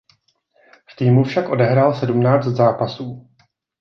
V týmu však odehrál sedmnáct zápasů.